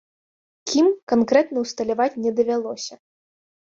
Кім, канкрэтна ўсталяваць не давялося.